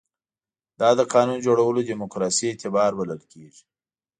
دا د قانون جوړولو دیموکراسي اعتبار بلل کېږي.